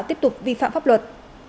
tiếp tục vi phạm pháp luật